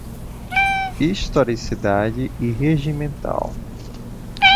Historicidade e regimental